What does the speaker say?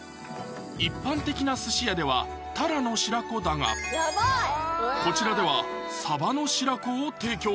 一般的な寿司屋ではタラの白子だがこちらでは鯖の白子を提供